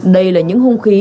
đây là những hung khí